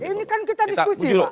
ini kan kita diskusi pak